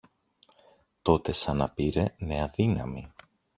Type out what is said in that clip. Τότε σαν να πήρε νέα δύναμη